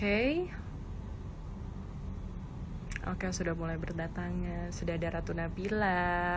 hai oke sudah mulai berdatangan sudah ada ratu nabila